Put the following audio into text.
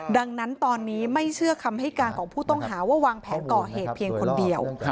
ดังนั้นตอนนี้ไม่เชื่อคำให้การของผู้ต้องหาว่าวางแผนก่อเหตุเพียงคนเดียว